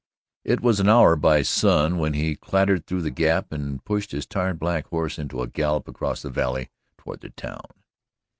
It was an hour by sun when he clattered through the gap and pushed his tired black horse into a gallop across the valley toward the town.